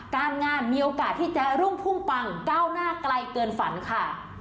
การงานมีโอกาสที่จะรุ่งพุ่งปังก้าวหน้าไกลเกินฝันค่ะ